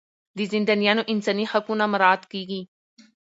د زندانیانو انساني حقونه مراعات کیږي.